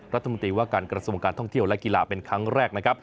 รัฐมนตรีว่าการกระทรวงการท่องเที่ยวและกีฬาเป็นครั้งแรกนะครับ